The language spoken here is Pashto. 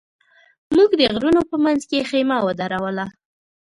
موږ د غرونو په منځ کې خېمه ودروله.